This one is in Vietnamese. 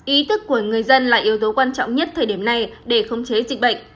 ý thức của người dân là yếu tố quan trọng nhất thời điểm này để khống chế dịch bệnh